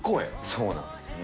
そうなんですよね。